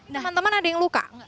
nah teman teman ada yang luka